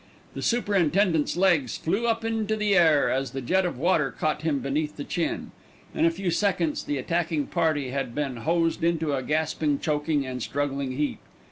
The superintendent's legs flew up into the air as the jet of water caught him beneath the chin. In a few seconds the attacking party had been hosed into a gasping, choking, and struggling heap.